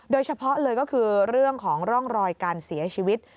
โดยเฉพาะเลยก็คือเรื่องของร่องรอยการเสียชีวิต